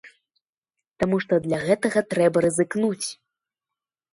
Таму што для гэтага трэба рызыкнуць.